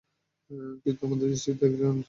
কিন্তু আমার দৃষ্টিতে তিনি একজন মানবসেবক।